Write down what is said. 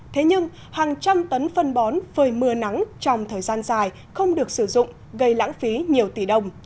thế nhưng hàng trăm tấn phân bón phơi mưa nắng trong thời gian dài không được sử dụng gây lãng phí nhiều tỷ đồng